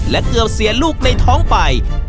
และเกือบเสียลูกในท้องไป